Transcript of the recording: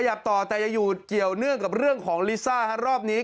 ขยับต่อแต่จะอยู่เกี่ยวเรื่องของลิซ่าร้อมนี้